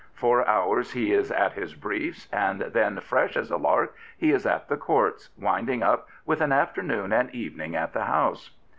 Four hours he is at his briefs, and then, fresh as a lark, he is at the Courts, winding up with an kfternoon and evening at the House."